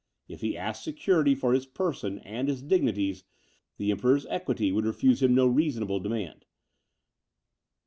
If he asked security for his person and his dignities, the Emperor's equity would refuse him no reasonable demand.